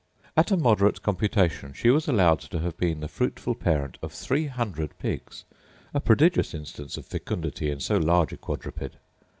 At a moderate computation she was allowed to have been the fruitful parent of three hundred pigs: a prodigious instance of fecundity in so large a quadruped!